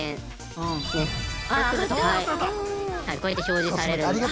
こうやって表示されるんです。